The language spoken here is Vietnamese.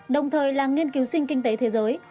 đồng thời là nghiên cứu sinh kinh tế thế giới